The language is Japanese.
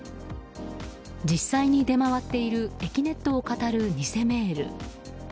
実際に出回っているえきねっとをかたる偽メール。